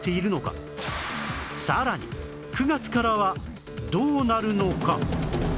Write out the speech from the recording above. さらに９月からはどうなるのか？